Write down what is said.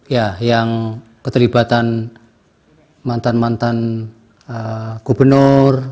ya yang keterlibatan mantan mantan gubernur